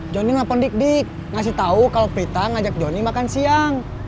johnny nelfon dik dik ngasih tau kalau pritang ngajak johnny makan siang